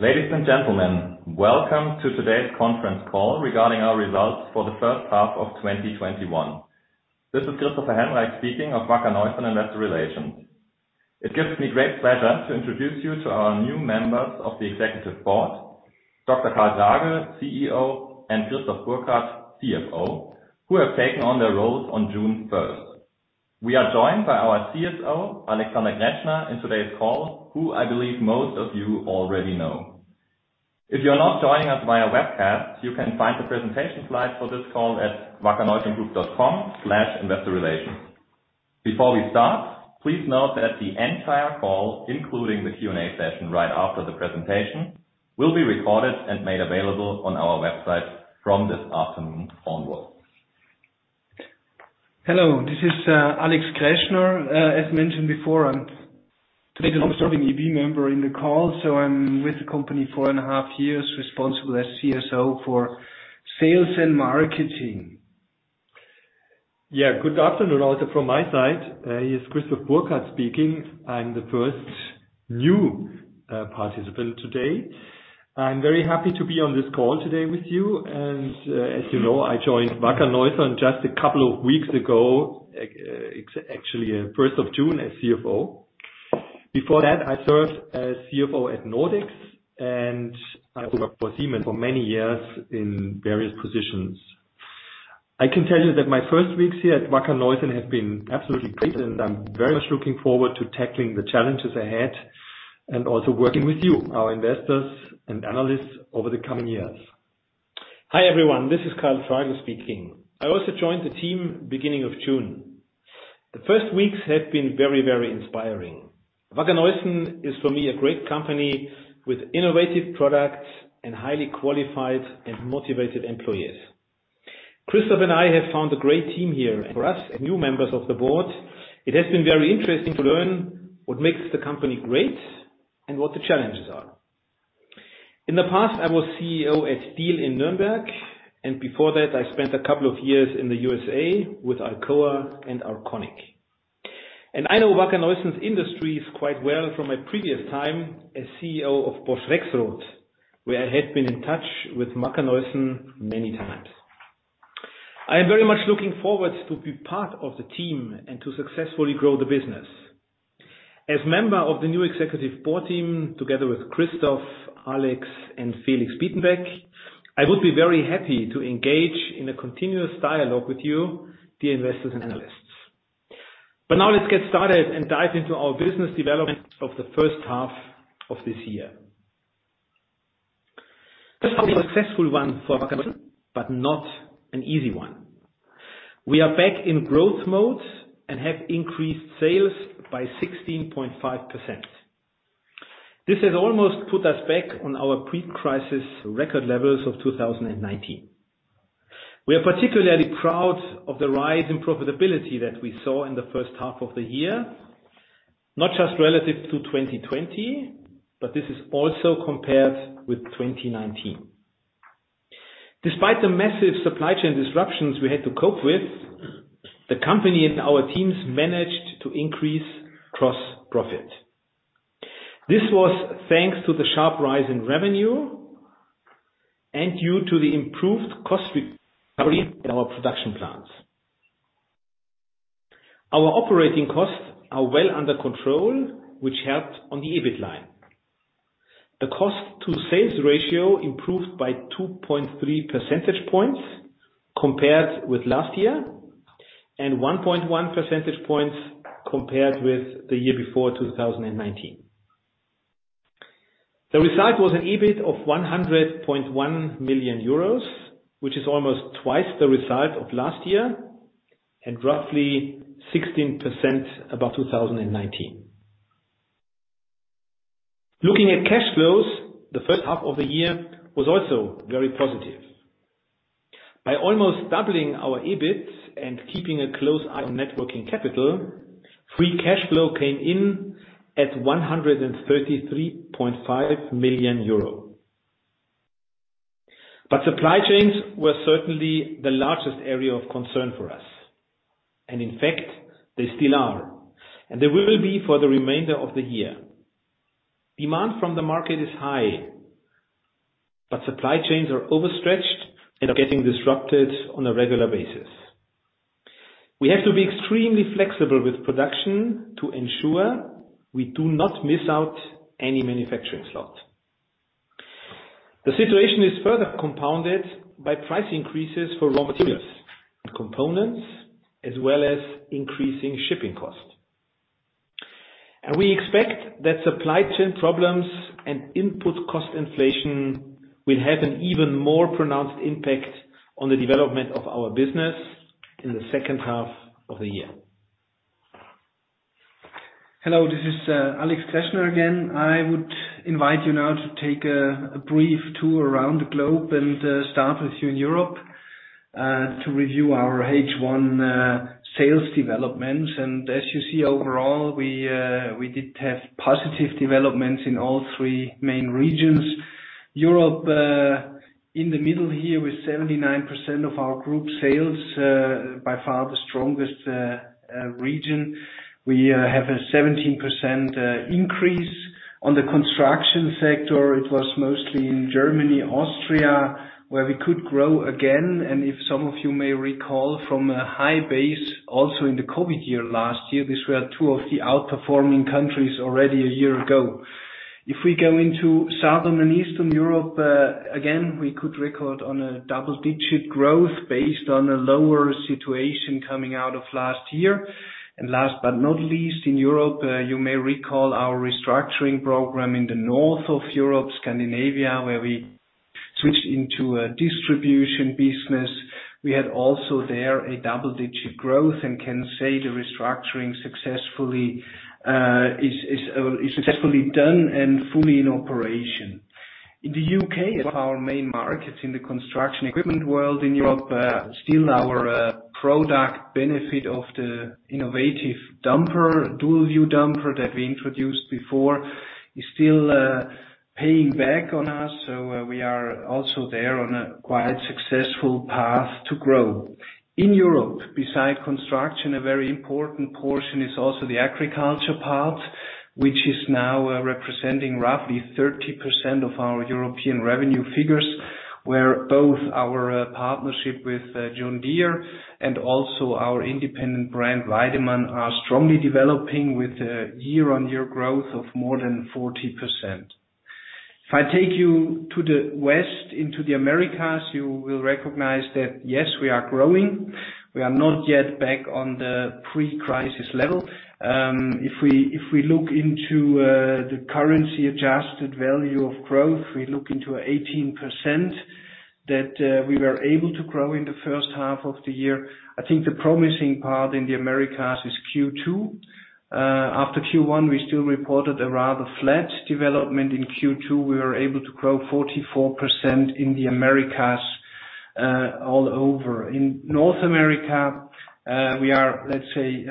Ladies and gentlemen, welcome to today's conference call regarding our results for the first half of 2021. This is Christopher Helmreich speaking of Wacker Neuson Investor Relations. It gives me great pleasure to introduce you to our new members of the Executive Board, Dr. Karl Tragl, CEO, and Christoph Burkhard, CFO, who have taken on their roles on June 1st. We are joined by our CSO, Alexander Greschner, in today's call, who I believe most of you already know. If you're not joining us via webcast, you can find the presentation slides for this call at wackerneusongroup.com/investorrelations. Before we start, please note that the entire call, including the Q&A session right after the presentation, will be recorded and made available on our website from this afternoon onward. Hello, this is Alex Greschner. As mentioned before, I'm today the most recent EB member in the call. I'm with the company four and a half years, responsible as CSO for sales and marketing. Yeah. Good afternoon also from my side. It's Christoph Burkhard speaking. I'm the first new participant today. I'm very happy to be on this call today with you. As you know, I joined Wacker Neuson just a couple of weeks ago, actually 1st of June as CFO. Before that, I served as CFO at Nordex, and I worked for Siemens for many years in various positions. I can tell you that my first weeks here at Wacker Neuson have been absolutely great, and I'm very much looking forward to tackling the challenges ahead and also working with you, our investors and analysts, over the coming years. Hi, everyone. This is Karl Tragl speaking. I also joined the team beginning of June. The first weeks have been very inspiring. Wacker Neuson is for me, a great company with innovative products and highly qualified and motivated employees. Christoph and I have found a great team here. For us, as new members of the board, it has been very interesting to learn what makes the company great and what the challenges are. In the past, I was CEO at Diehl in Nuremberg, and before that, I spent a couple of years in the USA with Alcoa and Arconic. I know Wacker Neuson's industries quite well from my previous time as CEO of Bosch Rexroth, where I had been in touch with Wacker Neuson many times. I am very much looking forward to be part of the team and to successfully grow the business. As member of the new executive board team, together with Christoph, Alex, and Felix Bietenbeck, I would be very happy to engage in a continuous dialogue with you, the investors and analysts. Now let's get started and dive into our business development of the first half of this year. The first half was a successful one for Wacker Neuson, but not an easy one. We are back in growth mode and have increased sales by 16.5%. This has almost put us back on our pre-crisis record levels of 2019. We are particularly proud of the rise in profitability that we saw in the first half of the year, not just relative to 2020, this is also compared with 2019. Despite the massive supply chain disruptions we had to cope with, the company and our teams managed to increase gross profit. This was thanks to the sharp rise in revenue and due to the improved cost recovery in our production plants. Our operating costs are well under control, which helped on the EBIT line. The cost-to-sales ratio improved by 2.3 percentage points compared with last year, and 1.1 percentage points compared with the year before 2019. The result was an EBIT of 100.1 million euros, which is almost twice the result of last year and roughly 16% above 2019. Looking at cash flows, the first half of the year was also very positive. By almost doubling our EBIT and keeping a close eye on net working capital, free cash flow came in at 133.5 million euro. Supply chains were certainly the largest area of concern for us, and in fact, they still are, and they will be for the remainder of the year. Demand from the market is high, supply chains are overstretched and are getting disrupted on a regular basis. We have to be extremely flexible with production to ensure we do not miss out any manufacturing slot. The situation is further compounded by price increases for raw materials and components, as well as increasing shipping costs. We expect that supply chain problems and input cost inflation will have an even more pronounced impact on the development of our business in the second half of the year. Hello, this is Alex Greschner again. I would invite you now to take a brief tour around the globe and start with you in Europe, to review our H1 sales developments. As you see, overall, we did have positive developments in all three main regions. Europe, in the middle here with 79% of our group sales, by far the strongest region. We have a 17% increase on the construction sector. It was mostly in Germany, Austria, where we could grow again. If some of you may recall from a high base, also in the COVID year last year, these were two of the outperforming countries already a year ago. If we go into Southern and Eastern Europe, again, we could record on a double-digit growth based on a lower situation coming out of last year. Last but not least, in Europe, you may recall our restructuring program in the north of Europe, Scandinavia, where we switched into a distribution business. We had also there a double-digit growth and can say the restructuring successfully is done and fully in operation. In the U.K., one of our main markets in the construction equipment world in Europe, still our product benefit of the innovative dumper, Dual View Dumper that we introduced before, is still paying back on us. We are also there on a quite successful path to grow. In Europe, beside construction, a very important portion is also the agriculture part, which is now representing roughly 30% of our European revenue figures, where both our partnership with John Deere and also our independent brand, Weidemann, are strongly developing with a year-on-year growth of more than 40%. If I take you to the west, into the Americas, you will recognize that yes, we are growing. We are not yet back on the pre-crisis level. If we look into the currency adjusted value of growth, we look into 18% that we were able to grow in the first half of the year. I think the promising part in the Americas is Q2. After Q1, we still reported a rather flat development. In Q2, we were able to grow 44% in the Americas, all over. In North America, we are, let's say,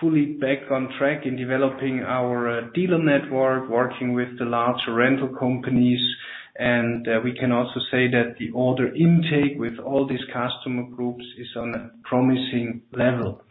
fully back on track in developing our dealer network, working with the large rental companies. We can also say that the order intake with all these customer groups is on a promising level.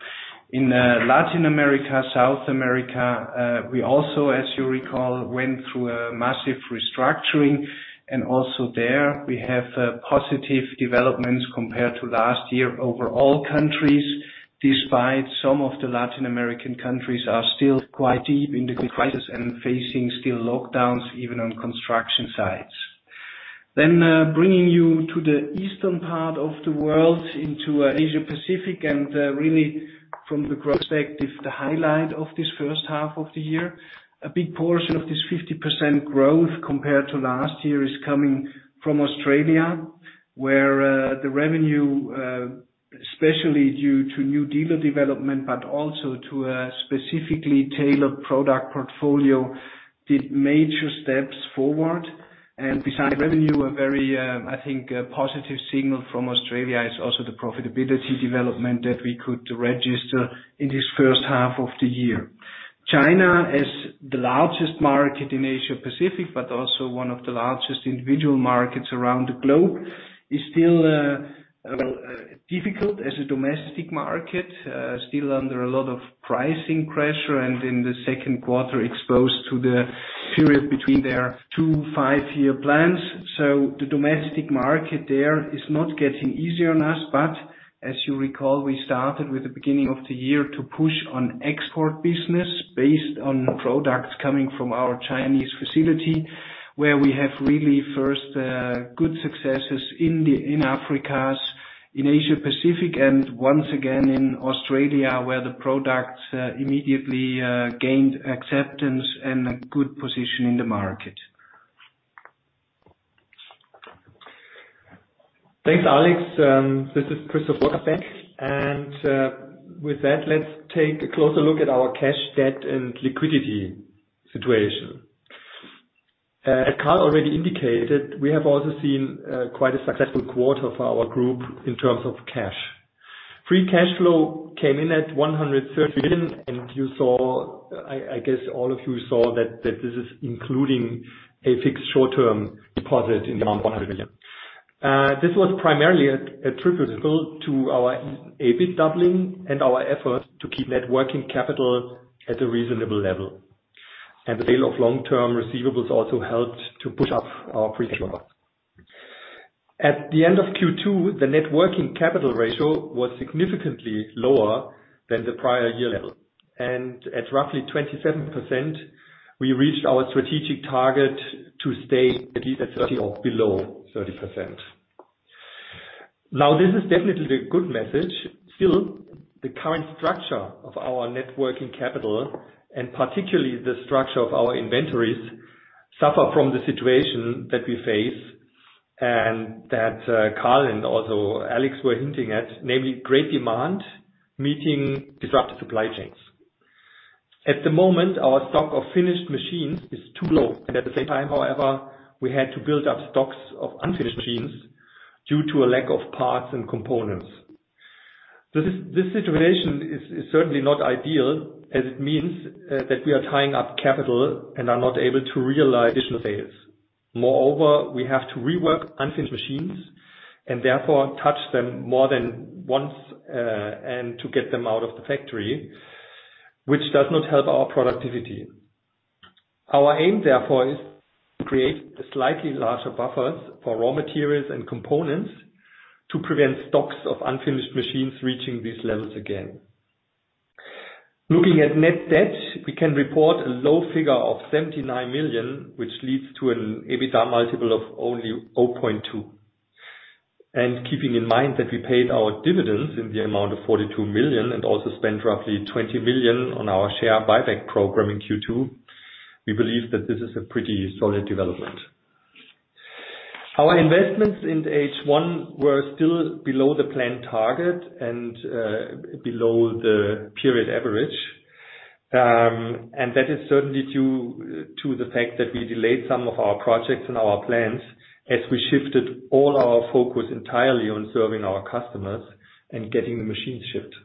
In Latin America, South America, we also, as you recall, went through a massive restructuring, and also there we have positive developments compared to last year over all countries, despite some of the Latin American countries are still quite deep in the crisis and facing still lockdowns, even on construction sites. Bringing you to the eastern part of the world into Asia-Pacific, and really from the growth perspective, the highlight of this first half of the year. A big portion of this 50% growth compared to last year is coming from Australia, where the revenue, especially due to new dealer development, but also to a specifically tailored product portfolio, did major steps forward. Beside revenue, a very, I think, positive signal from Australia is also the profitability development that we could register in this first half of the year. China is the largest market in Asia-Pacific, but also one of the largest individual markets around the globe, is still, well, difficult as a domestic market, still under a lot of pricing pressure, and in the second quarter, exposed to the period between their two five-year plans. The domestic market there is not getting easier on us, but as you recall, we started with the beginning of the year to push on export business based on products coming from our Chinese facility, where we have really first good successes in Africa, in Asia-Pacific, and once again in Australia, where the products immediately gained acceptance and a good position in the market. Thanks, Alex. This is Christoph Burkhard. With that, let's take a closer look at our cash, debt, and liquidity situation. As Karl already indicated, we have also seen quite a successful quarter for our Group in terms of cash. Free cash flow came in at 130 million, I guess all of you saw that this is including a fixed short-term deposit in the amount of 100 million. This was primarily attributable to our EBIT doubling and our efforts to keep net working capital at a reasonable level. The sale of long-term receivables also helped to push up our free cash flow. At the end of Q2, the net working capital ratio was significantly lower than the prior year level. At roughly 27%, we reached our strategic target to stay at least at 30% or below 30%. Now, this is definitely a good message. Still, the current structure of our net working capital, and particularly the structure of our inventories, suffer from the situation that we face and that Karl and also Alex were hinting at, namely great demand meeting disrupted supply chains. At the moment, our stock of finished machines is too low. At the same time, however, we had to build up stocks of unfinished machines due to a lack of parts and components. This situation is certainly not ideal, as it means that we are tying up capital and are not able to realize additional sales. Moreover, we have to rework unfinished machines and therefore touch them more than once and to get them out of the factory, which does not help our productivity. Our aim, therefore, is to create slightly larger buffers for raw materials and components to prevent stocks of unfinished machines reaching these levels again. Looking at net debt, we can report a low figure of 79 million, which leads to an EBITDA multiple of only 0.2x. Keeping in mind that we paid our dividends in the amount of 42 million and also spent roughly 20 million on our share buyback program in Q2, we believe that this is a pretty solid development. Our investments in H1 were still below the planned target and below the period average. That is certainly due to the fact that we delayed some of our projects and our plans as we shifted all our focus entirely on serving our customers and getting the machines shipped.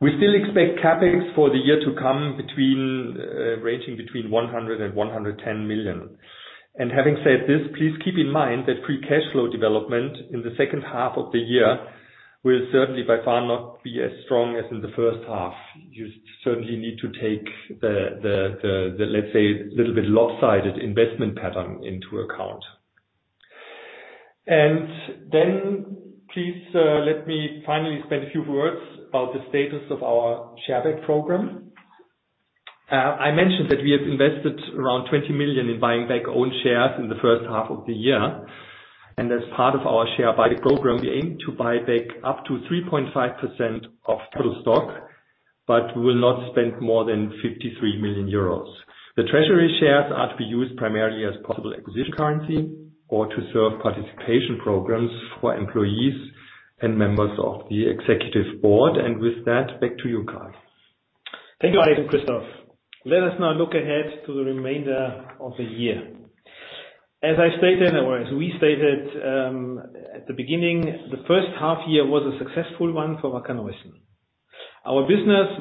We still expect CapEx for the year to come ranging between 100 million and 110 million. Having said this, please keep in mind that free cash flow development in the second half of the year will certainly by far not be as strong as in the first half. You certainly need to take the, let's say, little bit lopsided investment pattern into account. Please let me finally spend a few words about the status of our share buyback program. I mentioned that we have invested around 20 million in buying back own shares in the first half of the year, and as part of our share buyback program, we aim to buy back up to 3.5% of total stock, but we will not spend more than 53 million euros. The treasury shares are to be used primarily as possible acquisition currency or to serve participation programs for employees and members of the executive board. With that, back to you, Karl. Thank you, Christoph. Let us now look ahead to the remainder of the year. As I stated, or as we stated at the beginning, the first half year was a successful one for Wacker Neuson. Our business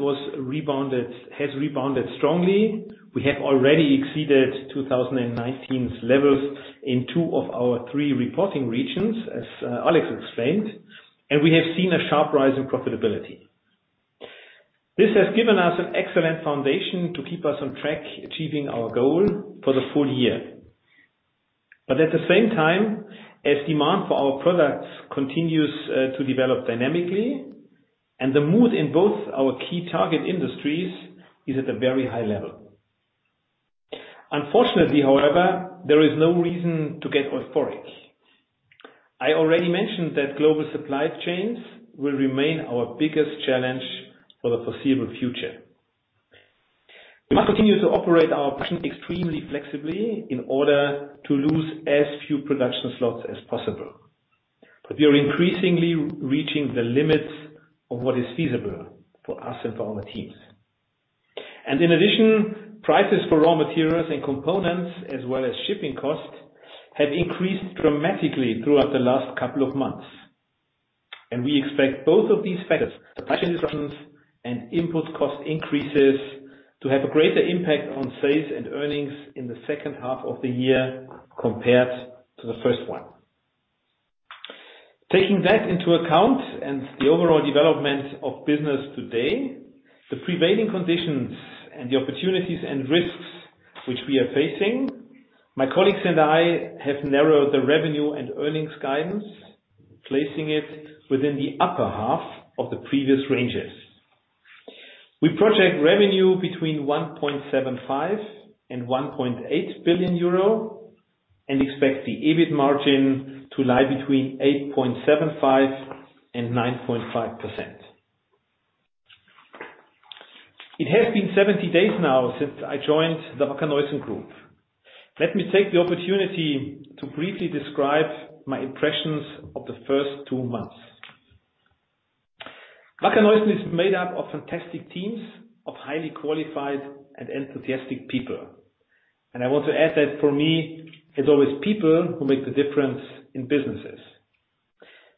has rebounded strongly. We have already exceeded 2019's levels in two of our three reporting regions, as Alex explained, and we have seen a sharp rise in profitability. This has given us an excellent foundation to keep us on track achieving our goal for the full year. At the same time, as demand for our products continues to develop dynamically and the mood in both our key target industries is at a very high level, unfortunately, however, there is no reason to get euphoric. I already mentioned that global supply chains will remain our biggest challenge for the foreseeable future. We must continue to operate our business extremely flexibly in order to lose as few production slots as possible. We are increasingly reaching the limits of what is feasible for us and for our teams. In addition, prices for raw materials and components, as well as shipping costs, have increased dramatically throughout the last couple of months. We expect both of these factors, production constraints and input cost increases, to have a greater impact on sales and earnings in the second half of the year compared to the first one. Taking that into account and the overall development of business today, the prevailing conditions and the opportunities and risks which we are facing, my colleagues and I have narrowed the revenue and earnings guidance, placing it within the upper half of the previous ranges. We project revenue between 1.75 billion and 1.8 billion euro and expect the EBIT margin to lie between 8.75% and 9.5%. It has been 70 days now since I joined the Wacker Neuson Group. Let me take the opportunity to briefly describe my impressions of the first twomonths. Wacker Neuson is made up of fantastic teams of highly qualified and enthusiastic people. I want to add that for me, it's always people who make the difference in businesses.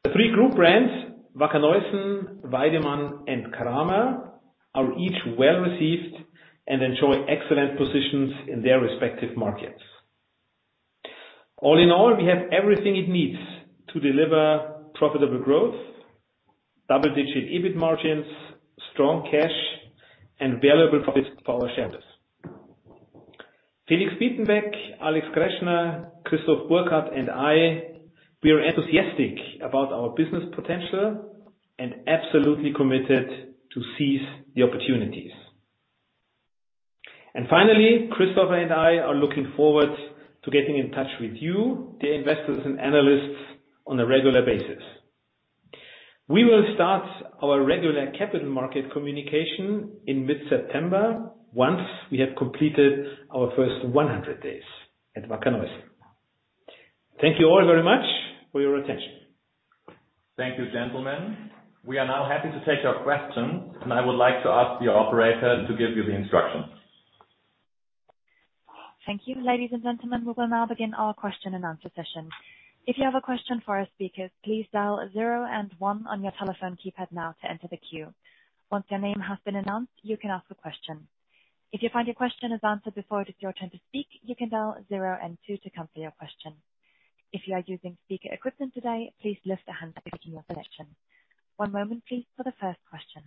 The three group brands, Wacker Neuson, Weidemann, and Kramer, are each well-received and enjoy excellent positions in their respective markets. All in all, we have everything it needs to deliver profitable growth, double-digit EBIT margins, strong cash, and valuable profits for our shareholders. Felix Bietenbeck, Alex Greschner, Christoph Burkhard, and I, we are enthusiastic about our business potential and absolutely committed to seize the opportunities. Finally, Christoph and I are looking forward to getting in touch with you, the investors and analysts, on a regular basis. We will start our regular capital market communication in mid-September once we have completed our first 100 days at Wacker Neuson. Thank you all very much for your attention. Thank you, gentlemen. We are now happy to take your questions, and I would like to ask the operator to give you the instructions. Thank you, ladies and gentlemen, we will now begin our question-and-answer session. If you have a question for our speakers, please dial zero and one on your telephone keypad now to enter the queue. Once your name has been announced, you can ask the question. If you find your question has answered before its your turn to speak, you can dial zero and two to cancel the question. If you are using speaker equipment today, please life a handset to your selection. One moment please, for the first question.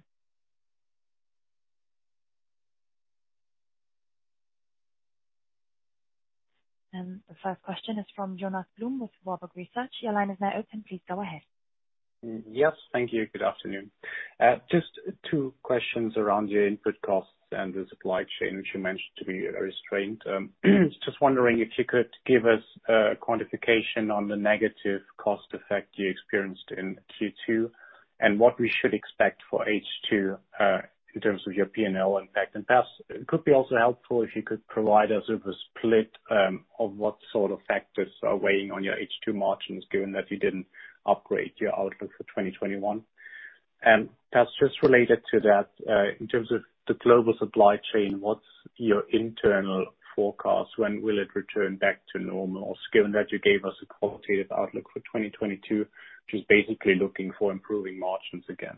The first question is from Jonas Blum with Warburg Research. Your line is now open, please go ahead. Yes. Thank you. Good afternoon. Just two questions around your input costs and the supply chain, which you mentioned to be very strained. Just wondering if you could give us a quantification on the negative cost effect you experienced in Q2, and what we should expect for H2 in terms of your P&L impact. Perhaps it could be also helpful if you could provide us with a split of what sort of factors are weighing on your H2 margins, given that you didn't upgrade your outlook for 2021. Perhaps just related to that, in terms of the global supply chain, what's your internal forecast? When will it return back to normal? Given that you gave us a qualitative outlook for 2022, just basically looking for improving margins again.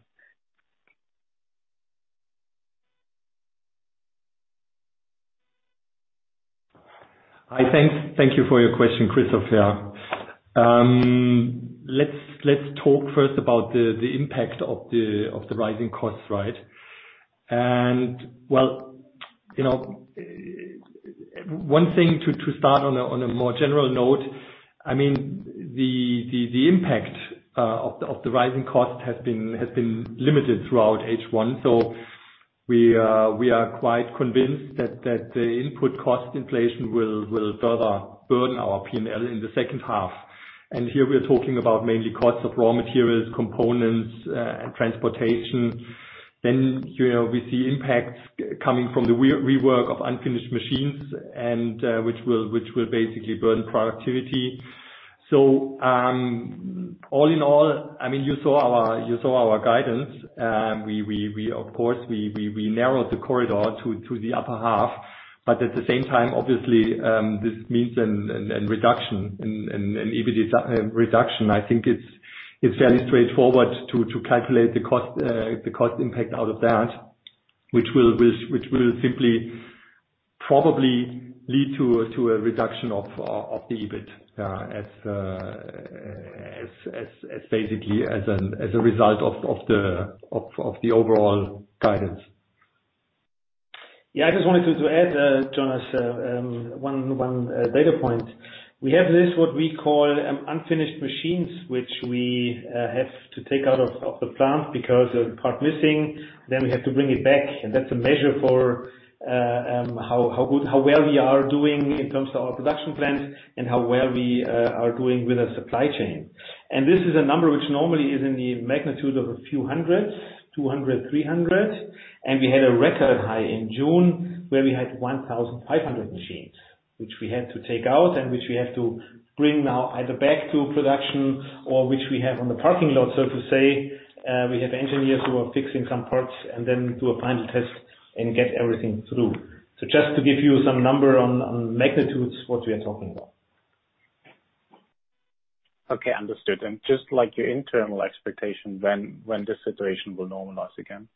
Hi. Thank you for your question, Christoph here. Let's talk first about the impact of the rising costs. Well, one thing to start on a more general note, the impact of the rising cost has been limited throughout H1, so we are quite convinced that the input cost inflation will further burden our P&L in the second half. Here we are talking about mainly costs of raw materials, components, and transportation. We see impacts coming from the rework of unfinished machines, and which will basically burn productivity. All in all, you saw our guidance. We narrowed the corridor to the upper half. At the same time, obviously, this means a reduction in EBIT. I think it's fairly straightforward to calculate the cost impact out of that, which will simply probably lead to a reduction of the EBIT, basically as a result of the overall guidance. Yeah. I just wanted to add, Jonas, one data point. We have this, what we call unfinished machines, which we have to take out of the plant because of a part missing, then we have to bring it back. That's a measure for how well we are doing in terms of our production plans and how well we are doing with our supply chain. This is a number which normally is in the magnitude of a few hundreds, 200, 300. We had a record high in June, where we had 1,500 machines, which we had to take out and which we have to bring now either back to production or which we have on the parking lot, so to say. We have engineers who are fixing some parts and then do a final test and get everything through. Just to give you some number on magnitudes, what we are talking about. Okay. Understood. Just like your internal expectation, when the situation will normalize again?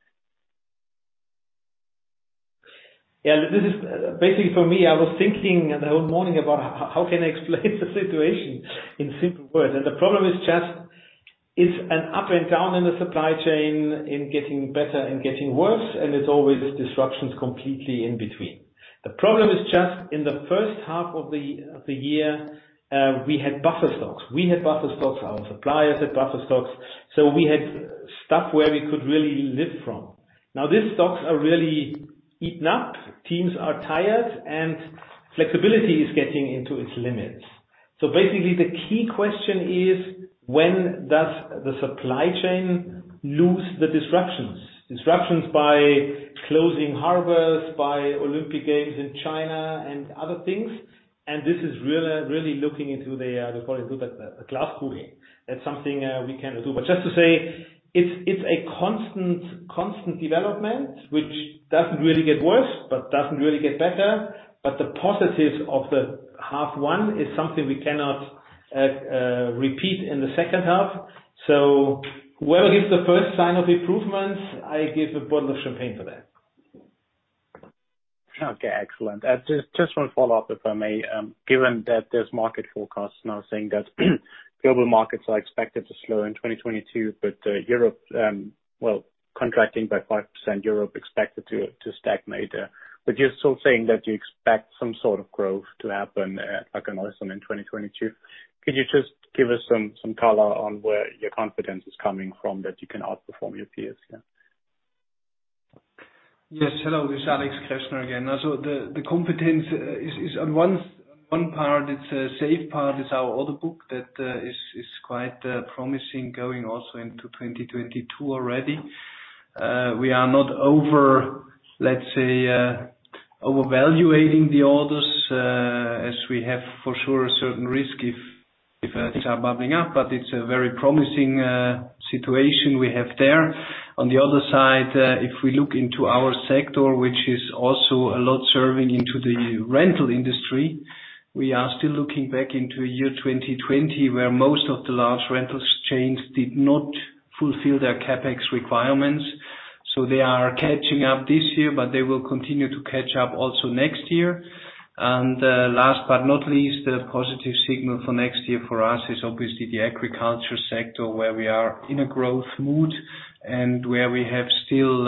Yeah. This is basically for me, I was thinking the whole morning about how can I explain the situation in simple words. The problem is just, it's an up and down in the supply chain in getting better and getting worse. It's always disruptions completely in between. The problem is just in the first half of the year, we had buffer stocks. We had buffer stocks, our suppliers had buffer stocks, we had stuff where we could really live from. Now, these stocks are really eaten up. Teams are tired and flexibility is getting into its limits. Basically the key question is: when does the supply chain lose the disruptions? Disruptions by closing harbors, by Olympic Games in China and other things. This is really looking into the, we call it. That's something we cannot do. Just to say, it's a constant development, which doesn't really get worse, but doesn't really get better. The positives of the half one is something we cannot repeat in the second half. Whoever gives the first sign of improvements, I give a bottle of champagne for that. Okay. Excellent. Just one follow-up, if I may. Given that there's market forecasts now saying that global markets are expected to slow in 2022, Europe, well, contracting by 5%, Europe expected to stagnate. You're still saying that you expect some sort of growth to happen at Wacker Neuson in 2022. Could you just give us some color on where your confidence is coming from that you can outperform your peers here? Yes. Hello, this Alex Greschner again. The confidence is on one part, it's a safe part, is our order book that is quite promising going also into 2022 already. We are not overvaluating the orders. Yes, we have for sure a certain risk if things are bubbling up, but it's a very promising situation we have there. On the other side, if we look into our sector, which is also a lot serving into the rental industry, we are still looking back into year 2020, where most of the large rentals chains did not fulfill their CapEx requirements. They are catching up this year, but they will continue to catch up also next year. Last but not least, the positive signal for next year for us is obviously the agriculture sector, where we are in a growth mood and where we have still,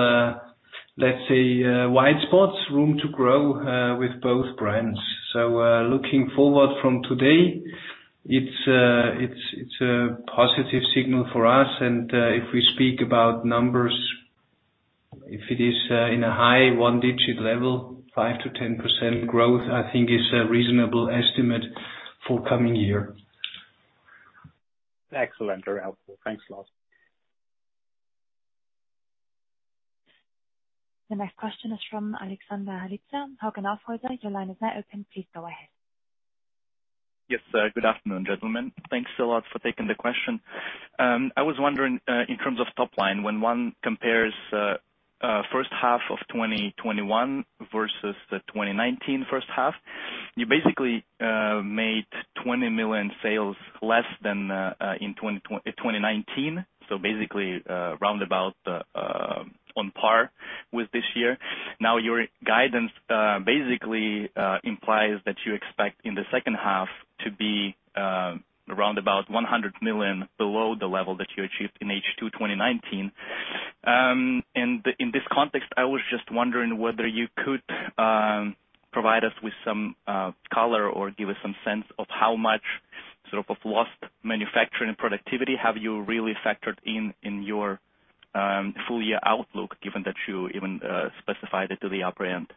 let's say, wide spots, room to grow, with both brands. Looking forward from today, it's a positive signal for us and if we speak about numbers, if it is in a high one-digit level, 5%-10% growth, I think is a reasonable estimate for coming year. Excellent. Very helpful. Thanks a lot. The next question is from Alexander Haritza. Hakan Arpoyda, your line is now open. Please go ahead. Yes, good afternoon, gentlemen. Thanks a lot for taking the question. I was wondering, in terms of top line, when one compares first half of 2021 versus the 2019 first half. You basically made 20 million sales less than in 2019. Basically, roundabout on par with this year. Now, your guidance basically implies that you expect in the second half to be around about 100 million below the level that you achieved in H2 2019. In this context, I was just wondering whether you could provide us with some color or give us some sense of how much sort of lost manufacturing productivity have you really factored in in your full year outlook, given that you even specified it to the upper end.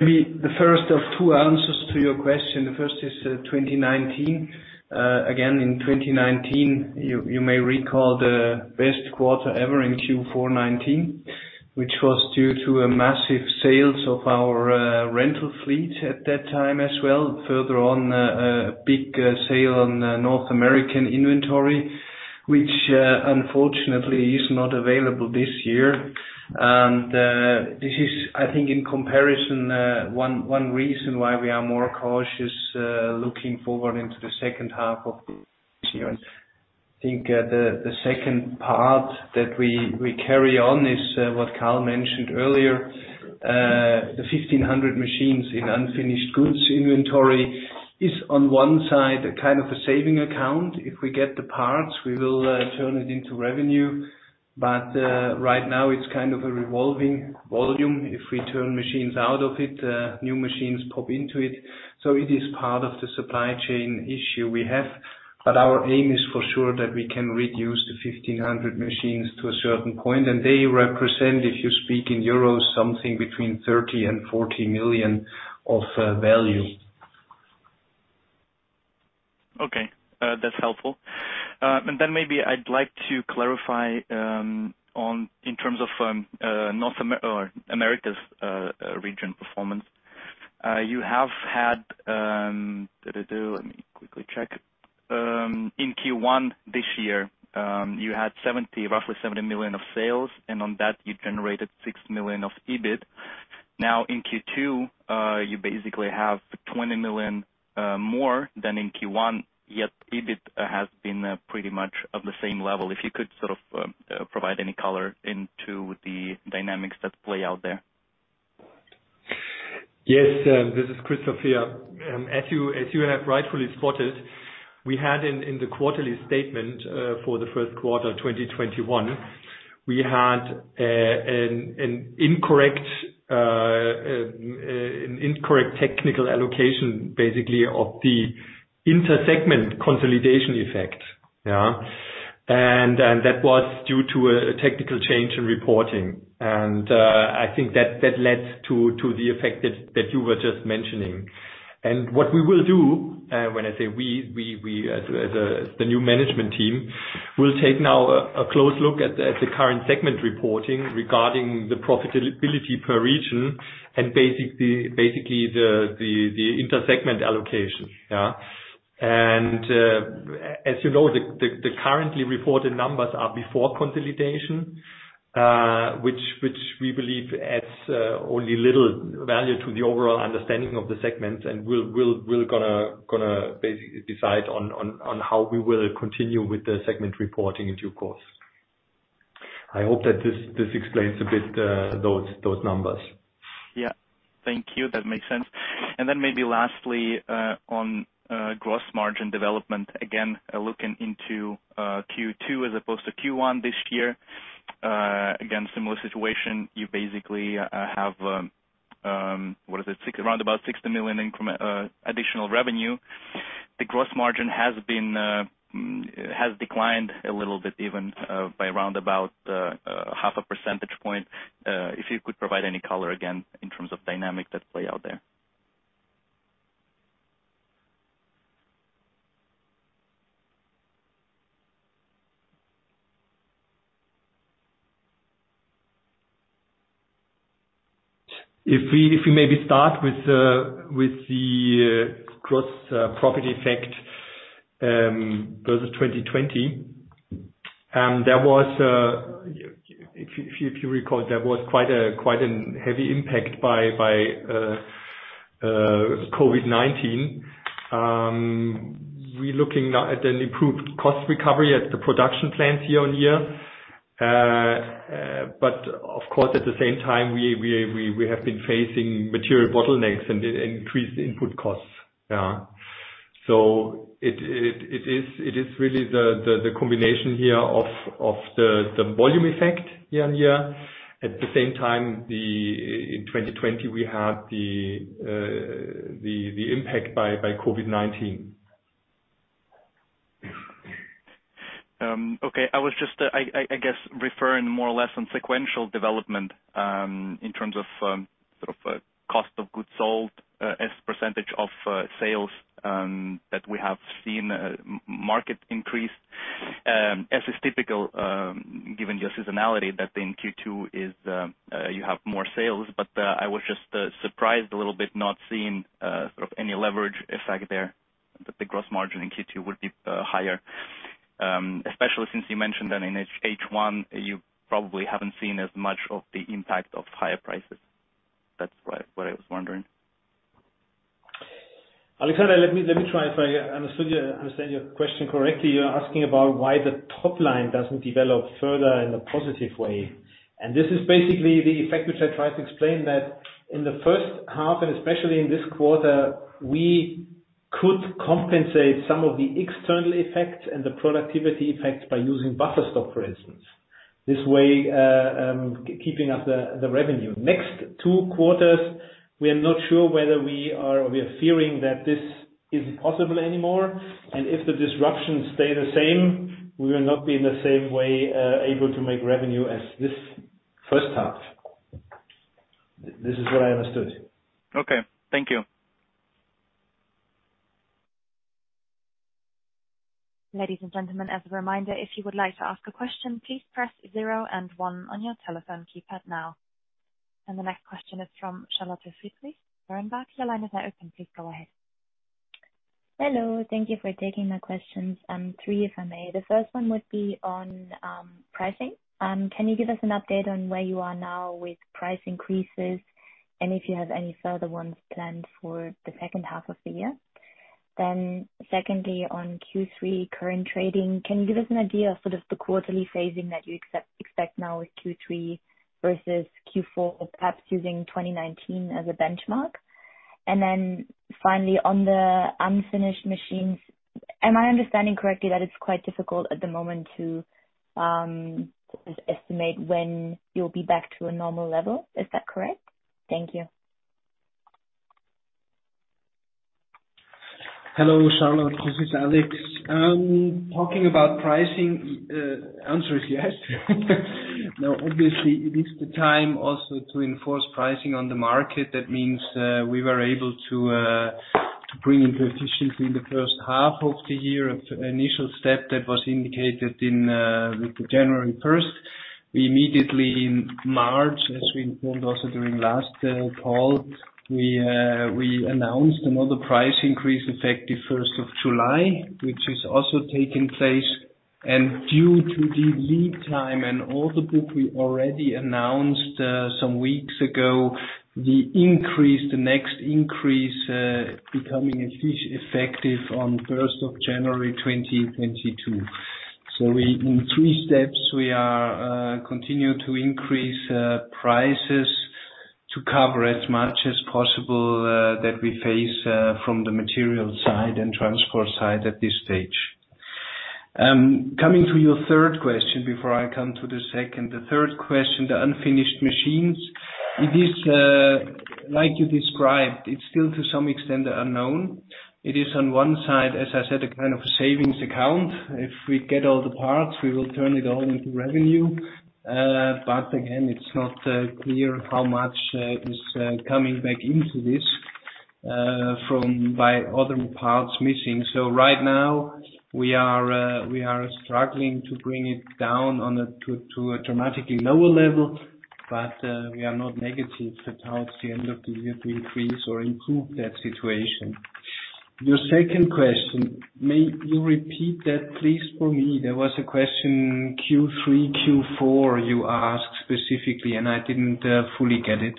Maybe the first of two answers to your question. The first is 2019. Again, in 2019, you may recall the best quarter ever in Q4 2019, which was due to a massive sales of our rental fleet at that time as well. Further on, a big sale on North American inventory, which unfortunately is not available this year. This is, I think, in comparison, one reason why we are more cautious looking forward into the second half of this year. I think the second part that we carry on is what Karl mentioned earlier. The 1,500 machines in unfinished goods inventory is, on one side, a kind of a saving account. If we get the parts, we will turn it into revenue. Right now it's kind of a revolving volume. If we turn machines out of it, new machines pop into it. It is part of the supply chain issue we have, but our aim is for sure that we can reduce the 1,500 machines to a certain point, and they represent, if you speak in euros, something between 30 million and 40 million of value. Okay. That's helpful. Maybe I'd like to clarify in terms of Americas region performance. Let me quickly check. In Q1 this year, you had roughly 70 million of sales, and on that you generated 6 million of EBIT. In Q2, you basically have 20 million more than in Q1, yet EBIT has been pretty much of the same level. If you could sort of provide any color into the dynamics that play out there. Yes. This is Christoph here. As you have rightfully spotted, we had in the quarterly statement for the first quarter 2021, we had an incorrect technical allocation, basically of the inter-segment consolidation effect. That was due to a technical change in reporting. I think that led to the effect that you were just mentioning. What we will do, when I say we as the new management team, we'll take now a close look at the current segment reporting regarding the profitability per region and basically the inter-segment allocation. As you know, the currently reported numbers are before consolidation, which we believe adds only little value to the overall understanding of the segments and we're going to basically decide on how we will continue with the segment reporting in due course. I hope that this explains a bit those numbers. Yeah. Thank you. That makes sense. Maybe lastly, on gross margin development, again, looking into Q2 as opposed to Q1 this year. Again, similar situation. You basically have, what is it? Around about 60 million additional revenue. The gross margin has declined a little bit, even by around about half a percentage point. If you could provide any color again in terms of dynamics that play out there. If we maybe start with the gross profit effect versus 2020. If you recall, there was quite a heavy impact by COVID-19. We're looking now at an improved cost recovery at the production plants year on year. Of course, at the same time, we have been facing material bottlenecks and increased input costs. It is really the combination here of the volume effect year on year. At the same time, in 2020, we had the impact by COVID-19. Okay. I was just, I guess, referring more or less on sequential development in terms of cost of goods sold as a percentage of sales that we have seen market increase, as is typical, given your seasonality that in Q2 you have more sales. I was just surprised a little bit not seeing any leverage effect there, that the gross margin in Q2 would be higher. Especially since you mentioned that in H1, you probably haven't seen as much of the impact of higher prices. That's what I was wondering. Alexander, let me try. If I understand your question correctly, you're asking about why the top line doesn't develop further in a positive way. This is basically the effect which I tried to explain that in the first half and especially in this quarter, we could compensate some of the external effects and the productivity effects by using buffer stock, for instance. This way, keeping up the revenue. Next two quarters, we are not sure whether we are fearing that this isn't possible anymore. If the disruptions stay the same, we will not be in the same way able to make revenue as this first half. This is what I understood. Okay. Thank you. Ladies and gentlemen, as a reminder, if you would like to ask a question, please press zero and one on your telephone keypad now. The next question is from Charlotte Friedrichs, Berenberg. Your line is now open. Please go ahead. Hello. Thank you for taking my questions. Three, if I may. The first one would be on pricing. Can you give us an update on where you are now with price increases and if you have any further ones planned for the second half of the year? Secondly, on Q3 current trading, can you give us an idea of the quarterly phasing that you expect now with Q3 versus Q4, perhaps using 2019 as a benchmark? Finally on the unfinished machines, am I understanding correctly that it's quite difficult at the moment to estimate when you'll be back to a normal level? Is that correct? Thank you. Hello, Charlotte. This is Alex. Talking about pricing, answer is yes. Obviously it is the time also to enforce pricing on the market. We were able to bring into efficiency in the first half of the year, an initial step that was indicated with the January 1st. We immediately in March, as we informed also during last call, we announced another price increase effective 1st of July, which is also taking place. Due to the lead time and order book we already announced some weeks ago, the next increase becoming effective on 1st of January 2022. In three steps, we continue to increase prices to cover as much as possible that we face from the material side and transport side at this stage. Coming to your third question before I come to the second. The third question, the unfinished machines. It is like you described, it's still to some extent unknown. It is on one side, as I said, a kind of savings account. If we get all the parts, we will turn it all into revenue. Again, it's not clear how much is coming back into this by other parts missing. Right now we are struggling to bring it down to a dramatically lower level, we are not negative that towards the end of the year we increase or improve that situation. Your second question, may you repeat that, please, for me? There was a question Q3, Q4 you asked specifically, I didn't fully get it.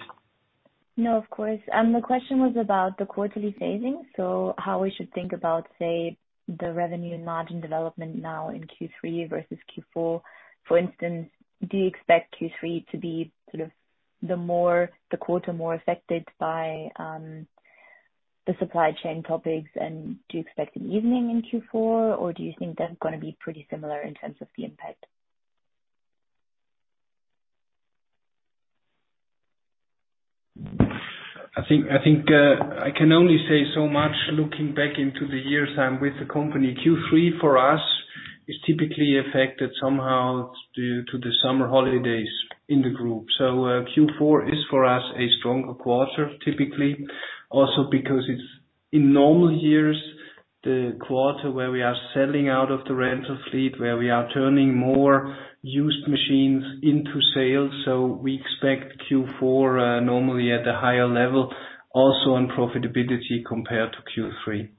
No, of course. The question was about the quarterly phasing, so how we should think about, say, the revenue and margin development now in Q3 versus Q4. For instance, do you expect Q3 to be the quarter more affected by the supply chain topics, and do you expect an evening in Q4, or do you think they're going to be pretty similar in terms of the impact? I think I can only say so much looking back into the years I'm with the company. Q3 for us is typically affected somehow due to the summer holidays in the group. Q4 is, for us, a stronger quarter typically. Also because it's in normal years, the quarter where we are selling out of the rental fleet, where we are turning more used machines into sales. We expect Q4 normally at a higher level, also on profitability compared to Q3.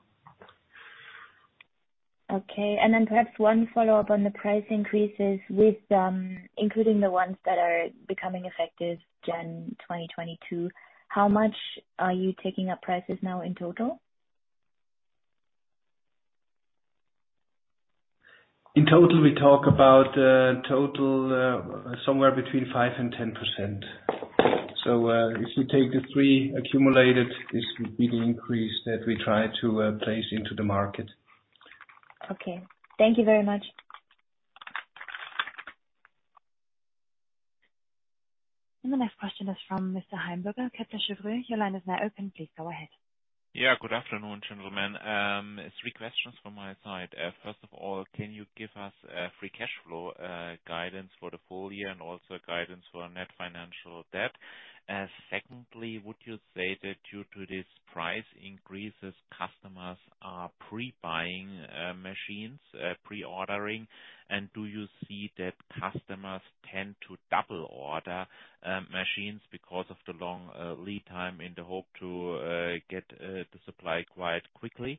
Okay. Perhaps one follow-up on the price increases, including the ones that are becoming effective January 2022. How much are you taking up prices now in total? In total, we talk about total somewhere between 5% and 10%. If you take the three accumulated, this would be the increase that we try to place into the market. Okay. Thank you very much. The next question is from Mr. Heimbürger, Kepler Cheuvreux. Your line is now open. Please go ahead. Yeah. Good afternoon, gentlemen. Three questions from my side. First of all, can you give us a free cash flow guidance for the full year, and also guidance for our net financial debt? Secondly, would you say that due to these price increases, customers are pre-buying machines, pre-ordering? Do you see that customers tend to double order machines because of the long lead time in the hope to get the supply quite quickly?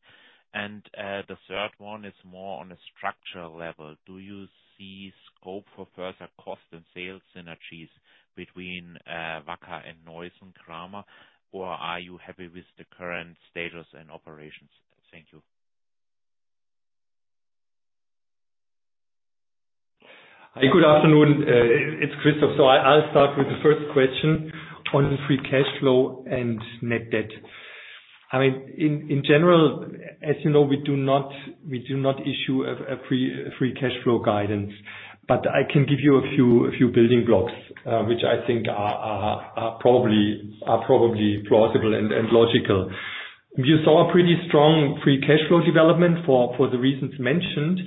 The third one is more on a structural level. Do you see scope for further cost and sales synergies between Wacker and Neuson Kramer, or are you happy with the current status and operations? Thank you. Good afternoon. It's Christoph. I'll start with the first question on free cash flow and net debt. In general, as you know, we do not issue a free cash flow guidance. I can give you a few building blocks, which I think are probably plausible and logical. You saw a pretty strong free cash flow development for the reasons mentioned,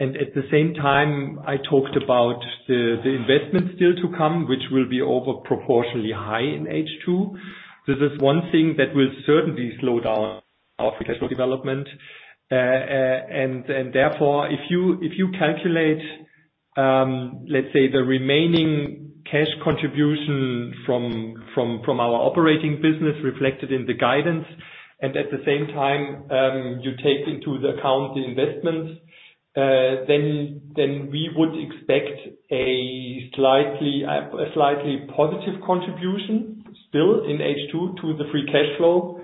and at the same time, I talked about the investment still to come, which will be over proportionally high in H2. This is one thing that will certainly slow down our free cash flow development. Therefore, if you calculate, let's say, the remaining cash contribution from our operating business reflected in the guidance, and at the same time, you take into account the investments. We would expect a slightly positive contribution still in H2 to the free cash flow,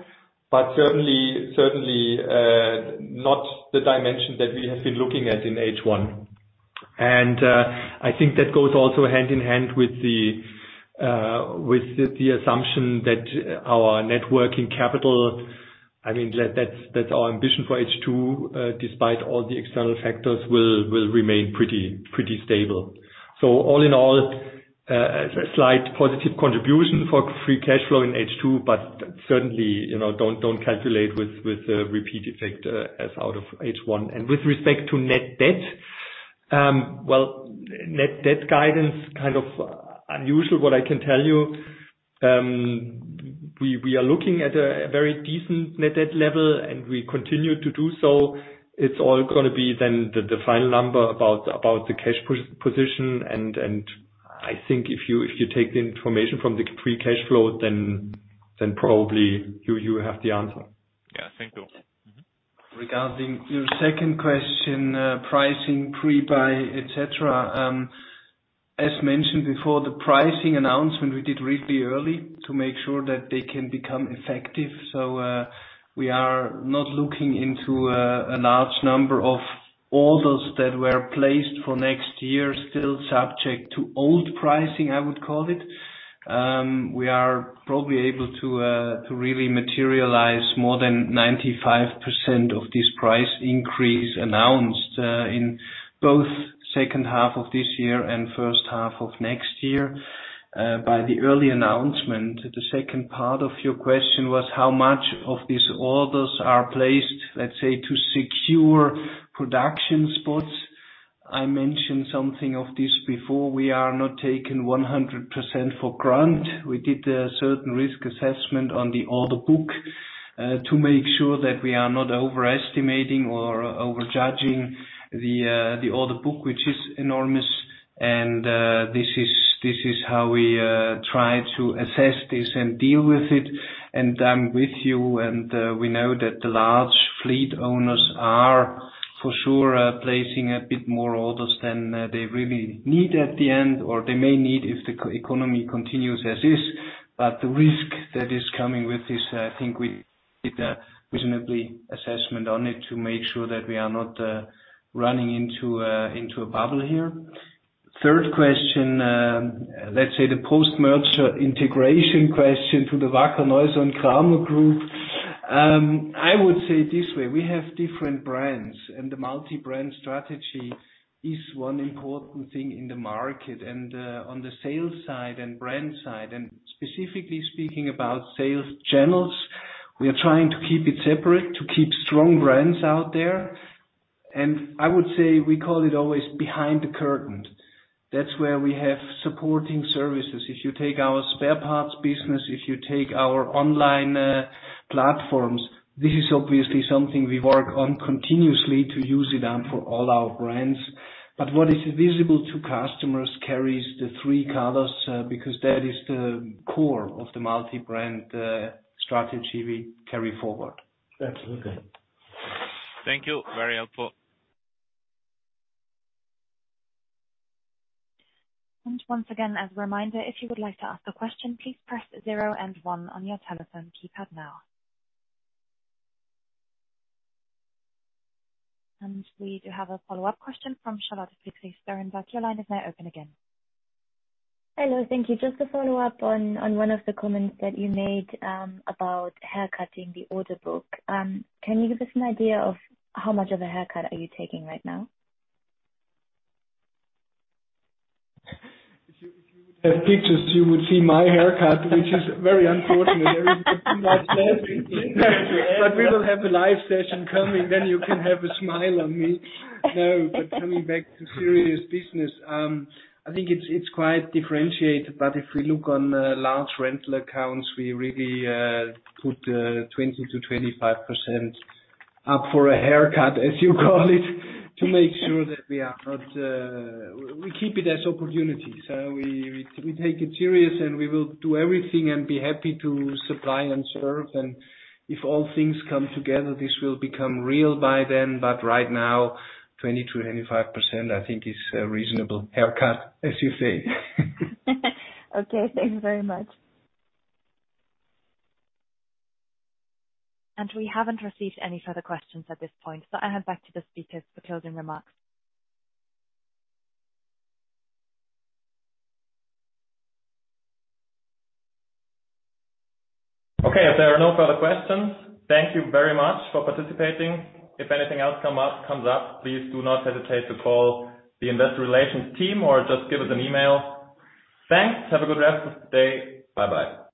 but certainly not the dimension that we have been looking at in H1. I think that goes also hand in hand with the assumption that our net working capital, that's our ambition for H2, despite all the external factors, will remain pretty stable. All in all, a slight positive contribution for free cash flow in H2, but certainly, don't calculate with a repeat effect as out of H1. With respect to net debt. Well, net debt guidance, kind of unusual. What I can tell you, we are looking at a very decent net debt level, and we continue to do so. It's all going to be then the final number about the cash position, and I think if you take the information from the free cash flow, then probably you have the answer. Yeah. Thank you. Mm-hmm. Regarding your second question, pricing, pre-buy, et cetera. As mentioned before, the pricing announcement we did really early to make sure that they can become effective. We are not looking into a large number of orders that were placed for next year, still subject to old pricing, I would call it. We are probably able to really materialize more than 95% of this price increase announced in both second half of this year and first half of next year, by the early announcement. The second part of your question was how much of these orders are placed, let's say, to secure production spots. I mentioned something of this before. We are not taking 100% for granted. We did a certain risk assessment on the order book to make sure that we are not overestimating or over judging the order book, which is enormous, and this is how we try to assess this and deal with it. I'm with you, and we know that the large fleet owners are for sure placing a bit more orders than they really need at the end, or they may need if the economy continues as is. The risk that is coming with this, I think we did a reasonably assessment on it to make sure that we are not running into a bubble here. Third question, let's say the post-merger integration question to the Wacker Neuson Group. I would say it this way, we have different brands, and the multi-brand strategy is one important thing in the market and on the sales side and brand side, and specifically speaking about sales channels. We are trying to keep it separate, to keep strong brands out there. I would say we call it always behind the curtain. That's where we have supporting services. If you take our spare parts business, if you take our online platforms, this is obviously something we work on continuously to use it for all our brands. What is visible to customers carries the three colors, because that is the core of the multi-brand strategy we carry forward. Absolutely. Thank you. Very helpful. Once again, as a reminder, if you would like to ask a question, please press zero and one on your telephone keypad now. We do have a follow-up question from Charlotte Friedrichs, Berenberg. Your line is now open again. Hello. Thank you. Just to follow up on one of the comments that you made about haircutting the order book. Can you give us an idea of how much of a haircut are you taking right now? If you have pictures, you would see my haircut, which is very unfortunate. We will have a live session coming, then you can have a smile on me. Coming back to serious business, I think it's quite differentiated. If we look on large rental accounts, we really put 20%-25% up for a haircut, as you call it, to make sure that we keep it as opportunities. We take it serious and we will do everything and be happy to supply and serve. If all things come together, this will become real by then. Right now, 20%-25%, I think is a reasonable haircut, as you say. Okay. Thank you very much. We haven't received any further questions at this point, so I hand back to the speakers for closing remarks. Okay. If there are no further questions, thank you very much for participating. If anything else comes up, please do not hesitate to call the Investor Relations team or just give us an email. Thanks. Have a good rest of the day. Bye.